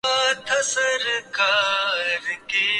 چوہدری شجاعت اس وقت وزیر داخلہ تھے۔